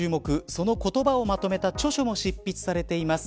その言葉をまとめた著書も執筆されています。